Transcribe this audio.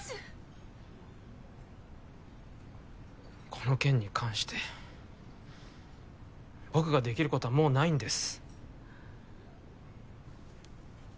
この件に関して僕が出来ることはもうないんです。